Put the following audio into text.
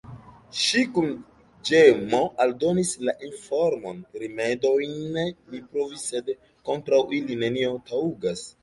Ŝi kun ĝemo aldonis la informon: "Rimedojn mi provis, sed kontraŭ ili, nenio taŭgas."